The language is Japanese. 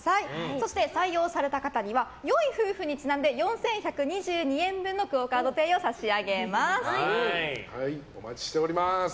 そして採用された方には良い夫婦にちなんで４１２２円分のＱＵＯカードＰａｙをお待ちしております！